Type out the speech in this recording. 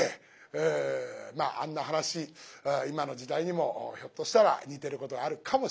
まああんな噺今の時代にもひょっとしたら似てることがあるかもしれませんね。